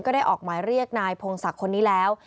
ได้ออกหมายเรียกนายพงศักดิ์คนนี้แล้ว